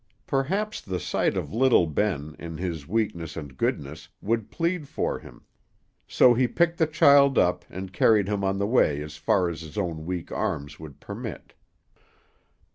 Perhaps the sight of little Ben, in his weakness and goodness, would plead for him, so he picked the child up, and carried him on the way as far as his own weak arms would permit.